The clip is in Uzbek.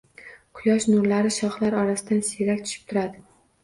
Quyosh nurlari shoxlar orasidan siyrak tushib turadi